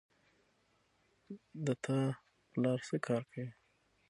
د تا پلار څه کار کوی